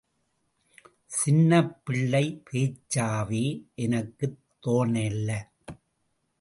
சின்னப்பிள்ளை பேச்சாவே எனக்குத் தோணலை.